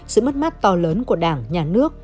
sự mất mát to lớn của đảng nhà nước